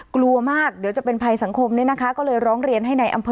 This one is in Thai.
กลัวมากเดี๋ยวจะเป็นภายสังคมเลย๑๙๔๑